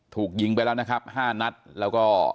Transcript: ถูกยิงไปแล้วนะครับ๕นัดแล้วก็